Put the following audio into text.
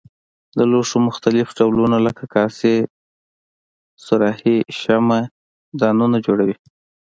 د لوښو مختلف ډولونه لکه کاسې صراحي شمعه دانونه جوړوي.